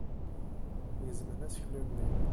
Gezmen aseklu-nni.